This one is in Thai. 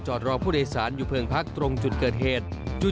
รอผู้โดยสารอยู่เพลิงพักตรงจุดเกิดเหตุ